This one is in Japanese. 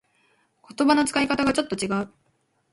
言葉の使い方がちょっと違う